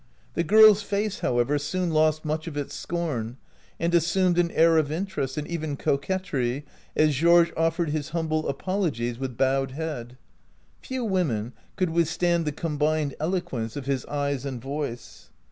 The girl's face, however, soon lost much of its scorn, and assumed an air of interest, and even coquetry, as Georges offered his humble apologies, with bowed head. Few women could withstand the combined elo quence of his eyes and voice.